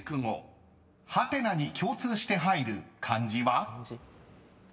［ハテナに共通して入る漢字は？］